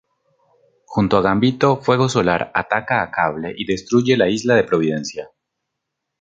Junto a Gambito, Fuego Solar ataca a Cable y destruye la isla de Providencia.